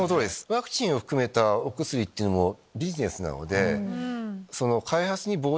ワクチンを含めたお薬もビジネスなので。